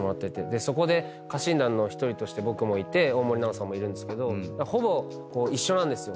でそこで家臣団の１人として僕もいて大森南朋さんもいるんですけどほぼ一緒なんですよ